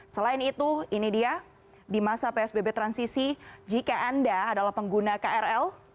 selain itu ini dia di masa psbb transisi jika anda adalah pengguna krl